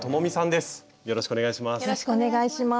よろしくお願いします。